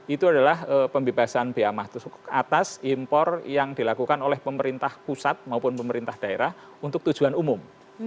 itu adalah pembebasan biaya masuk atas impor yang dilakukan oleh pemerintah pusat maupun pemerintah daerah untuk tujuan umum